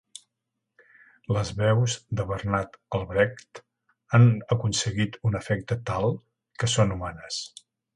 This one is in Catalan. Les veus de Bernard Albrecht han aconseguit un efecte tal que són humanes.